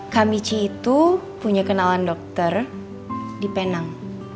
kamici itu punya kenalan dokter di penang